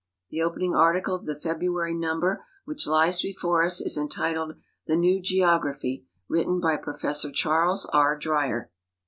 The opening article of the February num ber, which lies before us, is entitled "The New <Jeograi)hy," written by Prof. Charles R. Dryer.